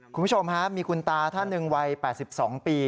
คุณผู้ชมฮะมีคุณตาท่านหนึ่งวัย๘๒ปี